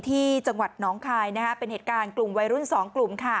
ที่จังหวัดน้องคายเป็นเหตุการณ์กลุ่มวัยรุ่น๒กลุ่ม